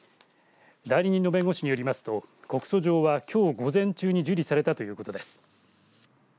代理人の弁護士によりますと告訴状は、きょう午前中に受理されたということです。